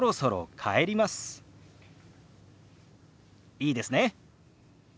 いいですね？